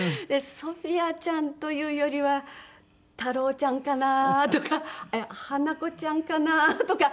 ソフィアちゃんというよりはタロウちゃんかなとかハナコちゃんかなとか。